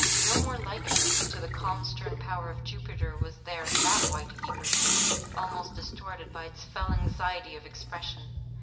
No more likeness to the calm stern power of Jupiter was there in that white eager face, almost distorted by its fell anxiety of expression.